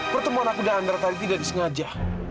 pertemuan aku dan antara tadi tidak disengaja